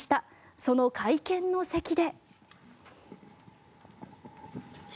その会見の席で。